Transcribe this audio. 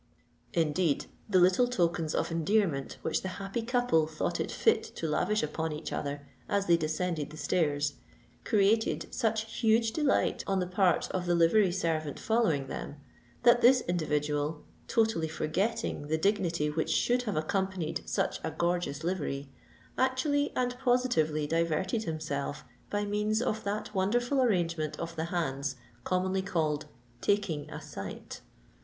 Indeed the little tokens of endearment which the "happy couple" thought it fit to lavish upon each other as they descended the stairs, created such huge delight on the part of the livery servant following them, that this individual, totally forgetting the dignity which should have accompanied such a gorgeous livery, actually and positively diverted himself by means of that wonderful arrangement of the hands commonly called "taking a sight."